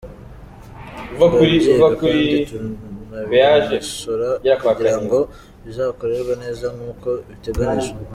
Turabyiga kandi tunabinonosore kugira ngo bizakorwe neza nk’uko bitegenijwe.